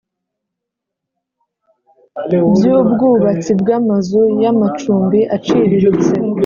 By Ubwubatsi Bw Amazu Y Amacumbi Aciriritse